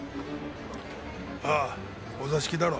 ああお座敷だろ。